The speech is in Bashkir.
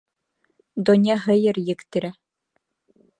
Донъя һыйыр ектерә.